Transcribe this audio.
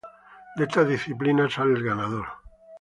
De estas disciplinas sale el ganador.